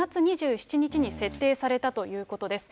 ４月２７日に設定されたということです。